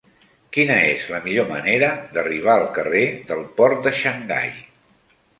Quina és la millor manera d'arribar al carrer del Port de Xangai?